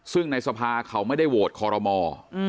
ซึ่งในสภาเขาไม่ได้โหวตคอรมอ